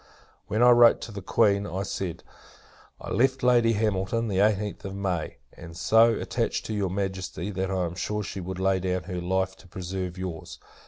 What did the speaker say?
When I wrote to the Queen, I said "I left Lady Hamilton, the eighteenth of May; and so attached to your Majesty, that I am sure she would lay down her life to preserve your's.